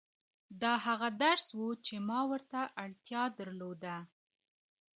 دا هغه درس و چې ما ورته اړتيا درلوده.